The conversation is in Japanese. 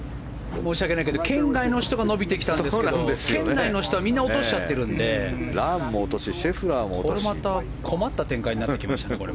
申し訳ないけど圏外の人が伸びてきたんですが圏内の人はみんな落としてきちゃってるんでこれはまた困った展開になってきましたね。